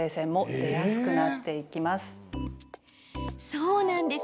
そうなんです。